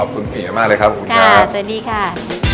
สวัสดีค่ะ